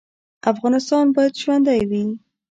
افغانستان باید ژوندی وي